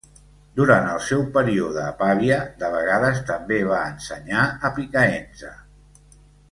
Durant el seu període a Pavia, de vegades també va ensenyar a Picaenza.